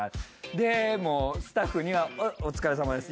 でもスタッフには「お疲れさまです」。